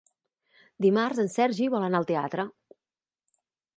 Dimarts en Sergi vol anar al teatre.